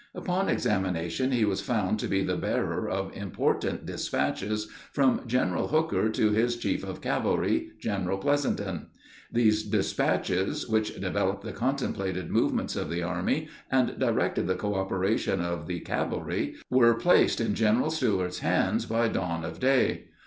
Upon examination he was found to be the bearer of important despatches from General Hooker to his chief of cavalry, General Pleasonton. These despatches, which developed the contemplated movements of the army and directed the coöperation of the cavalry, were placed in General Stuart's hands by dawn of day.